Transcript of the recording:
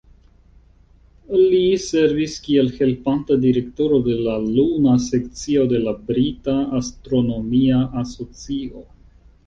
Ll servis kiel Helpanta Direktoro de la Luna Sekcio de la Brita Astronomia Asocio.